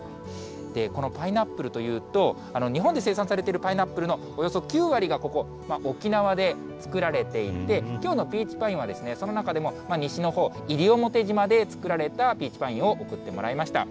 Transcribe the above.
このパイナップルというと、日本で生産されているパイナップルのおよそ９割が、ここ、沖縄で作られていて、きょうのピーチパインは、その中でも西のほう、西表島で作られたピーチパインを送ってもらいました。